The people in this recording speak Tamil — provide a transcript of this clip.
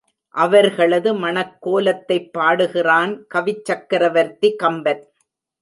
அவர்களது மணக்கோலத்தைப் பாடுகிறான் கவிச்சக்கரவர்த்தி கம்பன்.